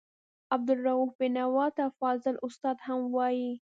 عبدالرؤف بېنوا ته فاضل استاد هم وايي.